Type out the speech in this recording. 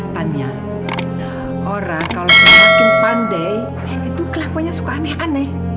orang kalau semakin pandai itu kelakunya suka aneh aneh